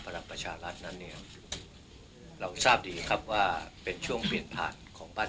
พลังประชารัฐนั้นเนี่ยเราทราบดีครับว่าเป็นช่วงเปลี่ยนผ่านของบ้าน